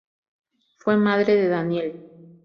Fue madre de Danielle.